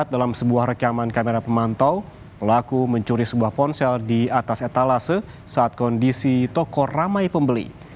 dalam sebuah rekaman kamera pemantau pelaku mencuri sebuah ponsel di atas etalase saat kondisi toko ramai pembeli